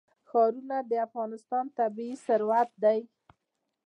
ښارونه د افغانستان طبعي ثروت دی.